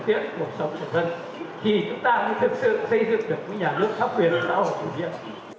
thì chúng ta sẽ thực sự xây dựng được một nhà nước pháp quyền xã hội chủ nhiệm